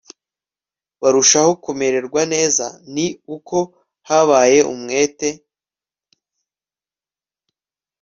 barushaho kumererwa neza ni uko habaye umwete